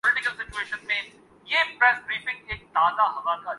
Peoples Party کا ایک فکری پس منظر ہے۔